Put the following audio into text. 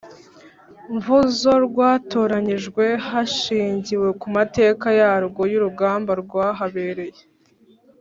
Mvuzo rwatoranyijwe hashingiwe ku mateka yarwo y urugamba rwahabereye